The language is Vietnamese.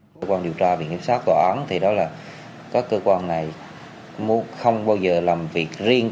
cơ quan điều tra viện kiểm sát tòa án thì đó là các cơ quan này không bao giờ làm việc riêng